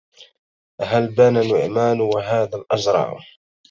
هل بان نعمان وهذا الأجرع